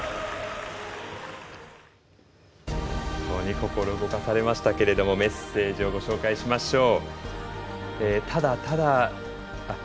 心動かされましたけどメッセージをご紹介しましょう。